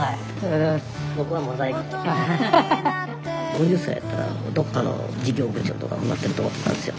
５０歳やったらどこかの事業部長とかなってると思ってたんですよ